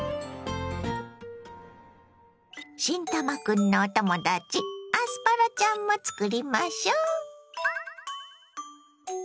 新たまクンのお友だちアスパラちゃんも作りましょ。